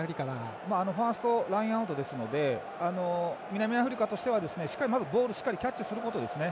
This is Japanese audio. ファーストラインアウトですので南アフリカとしてはしっかり、ボールをまずキャッチすることですね。